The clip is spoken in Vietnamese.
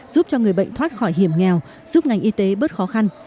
giúp cho người bệnh thoát khỏi hiểm nghèo giúp ngành y tế bớt khó khăn